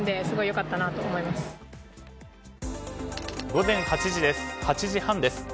午前８時半です。